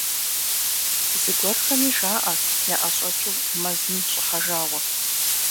Зыгуэрхэми жаӏэрт яӏэщӏэкӏыу мэзым щӏыхьэжауэ.